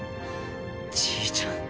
じいちゃん。